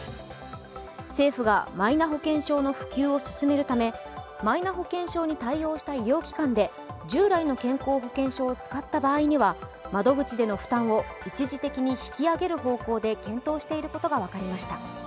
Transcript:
政府が、マイナ保険証の普及を進めるためマイナ保険証に対応した医療機関で従来の健康保険証を使った場合には、窓口での負担を一時的に引き上げる方向で検討していることが分かりました。